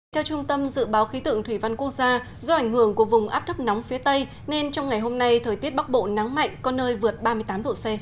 theo trung tâm dự báo khí tượng thủy văn quốc gia do ảnh hưởng của vùng áp thấp nóng phía tây nên trong ngày hôm nay thời tiết bắc bộ nắng mạnh có nơi vượt ba mươi tám độ c